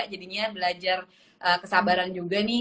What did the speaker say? jadinya belajar kesabaran juga nih